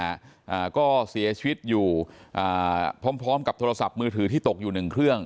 อ่าก็เสียชีวิตอยู่อ่าพร้อมพร้อมกับโทรศัพท์มือถือที่ตกอยู่หนึ่งเครื่อง